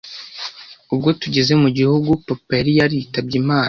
Ubwo tugeze mu gihugu, papa yari yaritabye Imana,